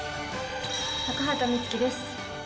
高畑充希です。